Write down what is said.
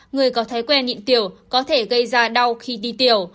người có thói quen nhịn tiểu có thể gây ra đau khi đi tiểu